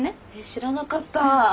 知らなかった。